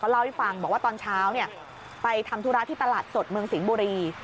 เล่าให้ฟังบอกว่าตอนเช้าไปทำธุระที่ตลาดสดเมืองสิงห์บุรี